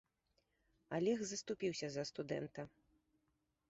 Алег заступіўся за студэнта.